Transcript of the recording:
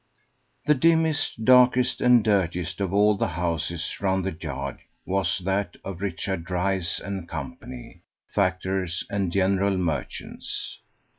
The dimmest, darkest, and dirtiest of all the houses round the yard was that of Richard Dryce & Co., factors and general merchants.